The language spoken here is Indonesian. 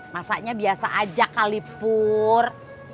masanya biasa aja kali pur